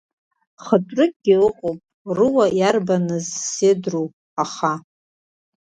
Хытәрыкгьы иҟоуп, руа иарбаныз сеидроу, аха…